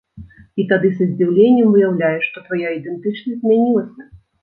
І тады са здзіўленнем выяўляеш, што твая ідэнтычнасць змянілася.